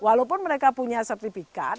walaupun mereka punya sertifikat